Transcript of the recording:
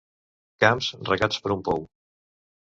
Camps regats per un pou.